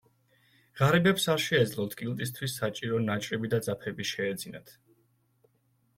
ღარიბებს არ შეეძლოთ კილტისთვის საჭირო ნაჭრები და ძაფები შეეძინათ.